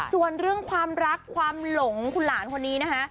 ส่วนเรื่องความรักความหลงคุณหลานคนนี้นะคะ